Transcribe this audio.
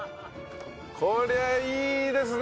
こりゃいいですね！